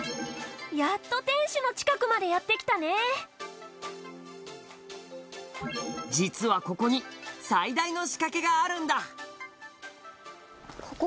やっと、天守の近くまでやって来たね実は、ここに最大の仕掛けがあるんだ！